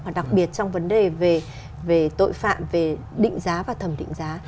và đặc biệt trong vấn đề về tội phạm về định giá và thẩm định giá